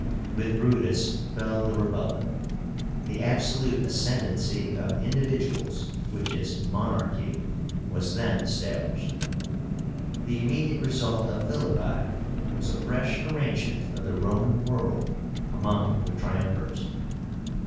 With Brutus fell the Republic. The absolute ascendency of individuals, which is monarchy, was then established. The immediate result of Philippi was a fresh arrangement of the Roman world among the Triumvirs.